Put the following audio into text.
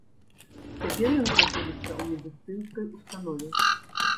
Цяпер ён знаходзіцца ў медыцынскай установе.